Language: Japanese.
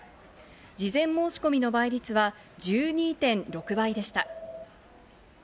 事前申し込みの倍率は１２．６倍でした。